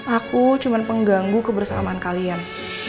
aku cuma pengganggu kebersamaan kalian